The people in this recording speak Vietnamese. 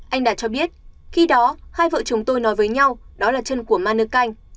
anh đạt cho biết khi đó hai vợ chồng tôi nói với nhau đó là chân của manu canh